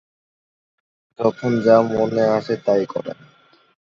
যখন যা মনে আসে তাই করেন।